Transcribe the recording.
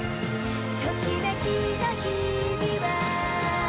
「ときめきの日々は」